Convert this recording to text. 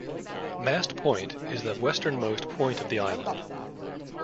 Mast Point is the westernmost point of the island.